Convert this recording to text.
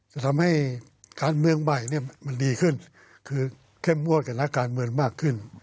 จะทำให้การเมืองใหม่เนี่ยมันดีขึ้นคือเข้มงวดกับนักการเมืองมากขึ้น